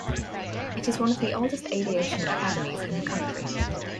It is one of the oldest aviation academies in the country.